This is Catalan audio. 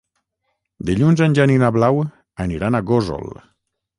Dilluns en Jan i na Blau aniran a Gósol.